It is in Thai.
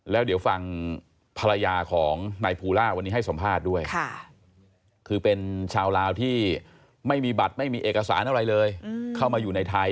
แล้วเดี๋ยวฟังภรรยาของนายภูลาวันนี้ให้สัมภาษณ์ด้วย